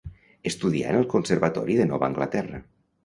Estudià en el Conservatori de Nova Anglaterra.